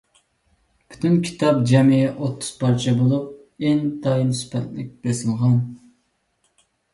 پۈتۈن كىتاب جەمئىي ئوتتۇز پارچە بولۇپ، ئىنتايىن سۈپەتلىك بېسىلغان.